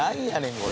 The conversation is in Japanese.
これ」